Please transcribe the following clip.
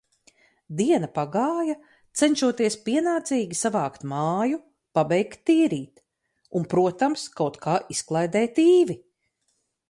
Diena pagāja, cenšoties pienācīgi savākt māju, pabeigt tīrīt. Un protams, kaut ka izklaidēt Īvi.